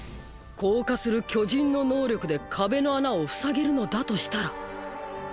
硬化する巨人の能力で壁の穴を塞げるのだとしたら。！！